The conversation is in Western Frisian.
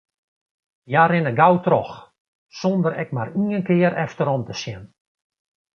Hja rinne gau troch, sonder ek mar ien kear efterom te sjen.